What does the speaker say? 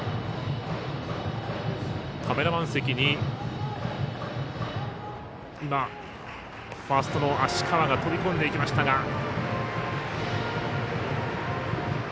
カメラマン席にファーストの芦川が飛び込んでいきましたが。